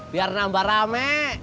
biar nambah rame